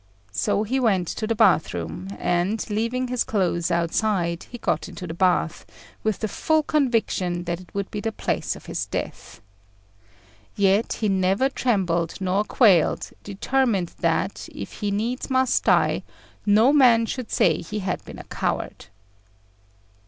So he went to the bath room, and, leaving his clothes outside, he got into the bath, with the full conviction that it would be the place of his death. Yet he never trembled nor quailed, determined that, if he needs must die, no man should say he had been a coward.